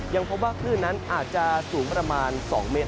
ยังพบว่าคลื่นนั้นอาจจะสูงประมาณ๒เมตร